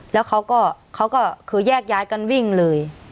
แล้วเขาก็เขาก็คือแยกย้ายกันวิ่งเลย